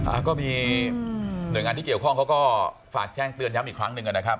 อ่าก็มีหน่วยงานที่เกี่ยวข้องเขาก็ฝากแจ้งเตือนย้ำอีกครั้งหนึ่งนะครับ